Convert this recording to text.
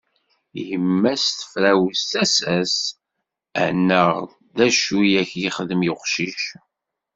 Yemma-s tefrawes tasa-s; annaɣ d acu i ak-yexdem uqcic?